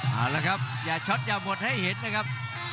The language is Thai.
เอาละครับอย่าช็อตอย่าหมดให้เห็นนะครับ